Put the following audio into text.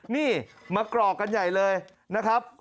นี่มากรอกกันใหญ่เลยนะครับ